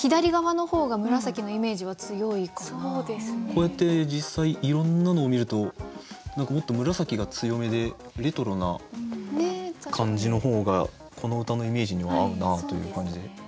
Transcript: こうやって実際いろんなのを見ると何かもっと紫が強めでレトロな感じの方がこの歌のイメージには合うなという感じ。